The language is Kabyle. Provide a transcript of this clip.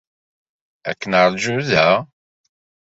Ad k-neṛju da?